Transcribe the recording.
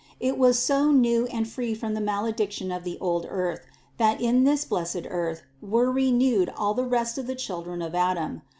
It was so new and free from the maledic tion of the old earth that in this blessed earth were re newed all the rest of the children of Adam.